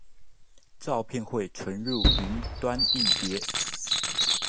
照片會存入雲端硬碟